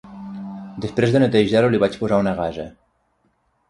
Després de netejar-ho, li vaig posar una gasa.